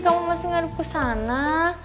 kamu masih gak di kesana